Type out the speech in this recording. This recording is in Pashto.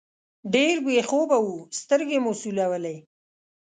ډېر بې خوبه وو، سترګې مو سولولې.